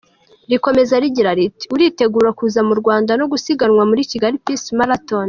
Rikomeza rigira riti “Uritegura kuza mu Rwanda no gusiganwa muri Kigali Peace Marathon .